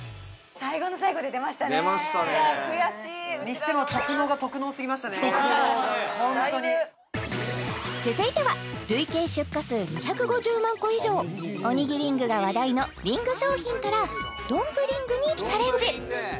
最後の最後で出ましたね出ましたね悔しいホントにだいぶ続いては累計出荷数２５０万個以上おにぎりん具が話題のリング商品からどんぶりんぐにチャレンジ！